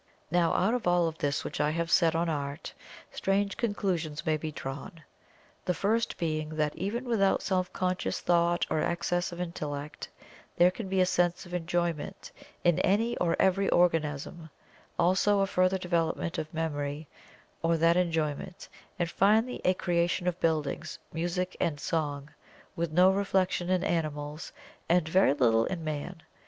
Now, out of all this which I have said on Art, strange conclusions may be drawn, the first being that even without self conscious Thought or excess of Intellect, there can be a Sense of Enjoyment in any or every organism, also a further development of memory of that enjoyment, and finally a creation of buildings, music and song, with no reflection, in animals, and very little in Man.